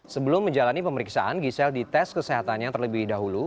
sebelum menjalani pemeriksaan gisela dites kesehatannya terlebih dahulu